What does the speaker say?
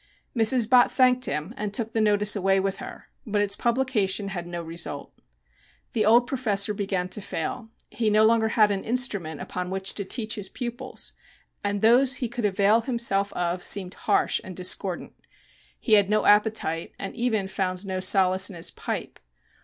Mrs. Bott thanked him and took the notice away with her, but its publication had no result. The old professor began to fail, he no longer had an instrument upon which to teach his pupils, and those he could avail himself of seemed harsh and discordant. He had no appetite, and even found no solace in his pipe.